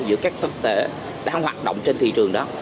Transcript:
giữa các thực tế đang hoạt động trên thị trường đó